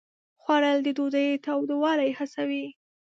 خوړل د ډوډۍ تودوالی حسوي